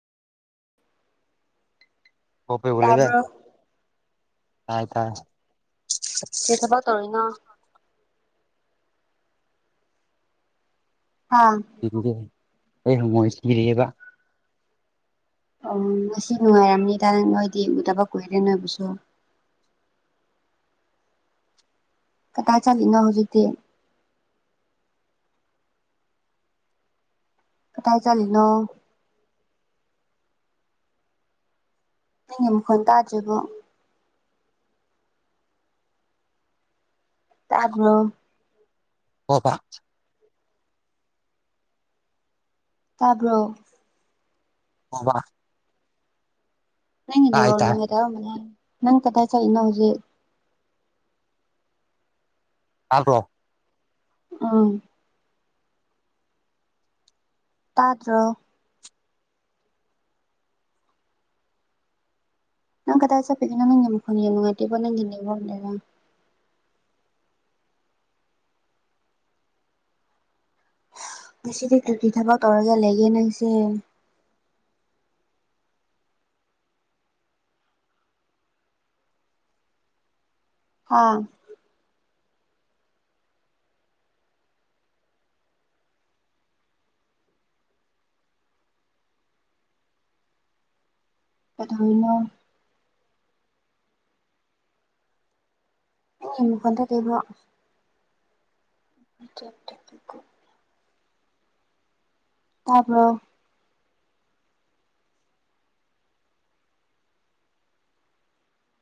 ꯇꯥꯕ꯭ꯔꯣ ꯇꯥꯏ ꯇꯥꯏ ꯀ꯭ꯔꯤ ꯊꯕꯛ ꯇꯧꯔꯤꯅꯣ ꯍꯥꯥ [unintelligible] ꯑꯩ ꯍꯪꯉꯣꯏ ꯁꯤꯔꯤꯌꯦꯕ ꯑꯣ ꯉꯁꯤ ꯅꯨꯡꯉꯥꯏꯔꯝꯅꯤꯗ ꯅꯣꯏꯗꯤ ꯎꯗꯕ ꯀꯨꯏꯔꯦ ꯅꯣꯏꯕꯨꯁꯨ ꯀꯗꯥꯏ ꯆꯠꯂꯤꯅꯣ ꯍꯧꯖꯤꯛꯇꯤ ꯀꯗꯥꯏ ꯆꯠꯂꯤꯅꯣ ꯅꯪꯒꯤ ꯃꯈꯣꯜ ꯇꯥꯗ꯭ꯔꯤꯕꯣ ꯇꯥꯕ꯭ꯔꯣ [unintelligible] ꯇꯥꯕ꯭ꯔꯣ [unintelligible] ꯅꯪꯒꯤ ꯇꯥꯏ ꯅꯦꯠꯋꯥꯛ ꯇꯥꯏ ꯅꯨꯡꯉꯥꯏꯇꯕ ꯃꯥꯜꯂꯦ ꯅꯪ ꯀꯗꯥꯥꯏ ꯆꯠꯂꯤꯅꯣ ꯍꯧꯖꯤꯛ ꯇꯥꯗ꯭ꯔꯣ ꯑꯪ ꯇꯥꯗ꯭ꯔꯣ ꯅꯪ ꯀꯗꯥꯏ ꯆꯠꯄꯒꯤꯅꯣ ꯅꯪꯒꯤ ꯃꯈꯣꯟ ꯌꯥꯝ ꯅꯨꯡꯥꯏꯇꯦꯕ ꯅꯪꯒꯤ ꯅꯦꯠꯋꯥꯔꯛ ꯅꯔꯥ ꯉꯁꯤꯗꯤ ꯀ꯭ꯔꯤ ꯀ꯭ꯔꯤ ꯊꯕꯛ ꯇꯧꯔꯒ ꯂꯩꯒꯦ ꯅꯪꯁꯦ ꯍꯥꯥ ꯀꯩꯗꯧꯔꯤꯅꯣ ꯅꯪꯒꯤ ꯃꯈꯣꯟ ꯇꯥꯗꯦꯕ [unintelligible] ꯇꯥꯕ꯭ꯔꯣ